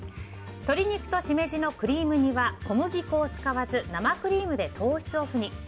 鶏肉としめじのクリーム煮は小麦粉を使わず生クリームで糖質オフに。